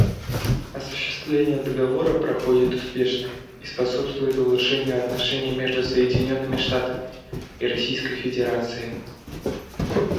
Осуществление Договора проходит успешно и способствует улучшению отношений между Соединенными Штатами и Российской Федерацией.